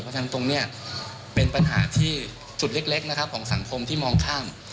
เพราะฉะนั้นตรงนี้เป็นปัญหาที่จุดเล็กนะครับของสังคมที่มองข้าม